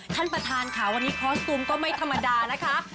ท่านประธานค่ะวันนี้คอสตูมก็ไม่ธรรมดานะคะ